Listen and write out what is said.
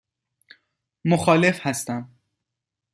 مخالف هستم.